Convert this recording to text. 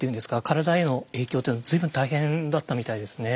体への影響というのは随分大変だったみたいですね。